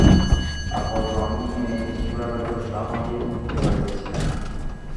আপাতত আমি এই ছোঁড়াটাকে উৎসাহ না দিয়া থাকিতে পারিতেছি না।